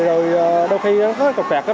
rồi đôi khi nó có trục vẹt á